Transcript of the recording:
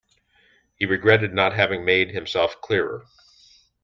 He regretted not having made himself clearer.